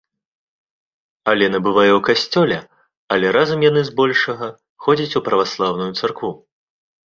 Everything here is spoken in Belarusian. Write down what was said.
Алена бывае ў касцёле, але разам яны збольшага ходзяць у праваслаўную царкву.